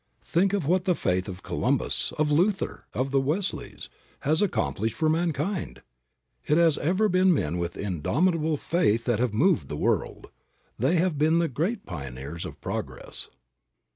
Think of what the faith of Columbus, of Luther, of the Wesleys, has accomplished for mankind! It has ever been men with indomitable faith that have moved the world. They have been the great pioneers of progress.